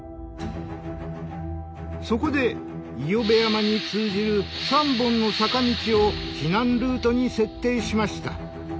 そこで伊与部山に通じる３本の坂道を避難ルートに設定しました。